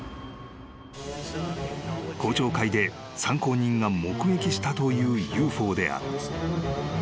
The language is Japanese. ［公聴会で参考人が目撃したというＵＦＯである］